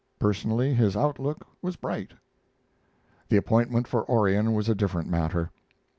Personally his outlook was bright. The appointment for Orion was a different matter.